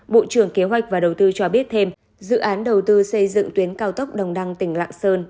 bộ trưởng kế hoạch và đầu tư cho biết thêm dự án đầu tư xây dựng tuyến cao tốc đồng đăng tỉnh lạng sơn